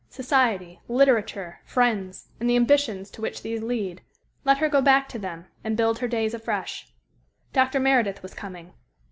Society, literature, friends, and the ambitions to which these lead let her go back to them and build her days afresh. Dr. Meredith was coming.